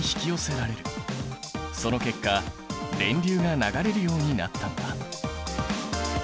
その結果電流が流れるようになったんだ。